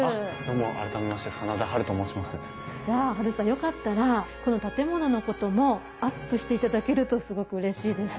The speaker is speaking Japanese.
よかったらこの建物のこともアップしていただけるとすごくうれしいです。